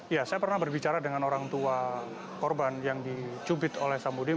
iya saya pernah berbicara dengan orang tua korban yang dicubit oleh samhudi